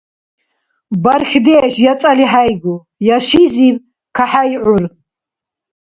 Бархьдеш я цӀали хӀейгу, я шизиб кахӀейгӀур.